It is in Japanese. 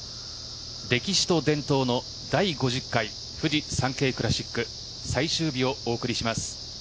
歴史と伝統の第５０回フジサンケイクラシック最終日をお送りします。